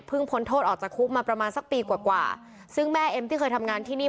เพิ่งพ้นโทษออกจากครุปมาประมาณสักปีกว่า